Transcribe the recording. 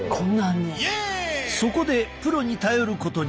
そこでプロに頼ることに。